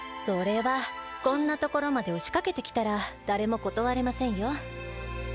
それはこんなところまで押しかけてきたら誰も断れませんよ。